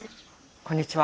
こんにちは。